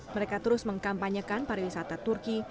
mereka terus mengkampanyekan para wisata turki